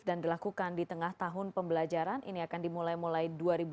dilakukan di tengah tahun pembelajaran ini akan dimulai mulai dua ribu dua puluh